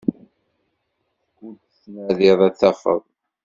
Skud tettnadiḍ ad tafeḍ.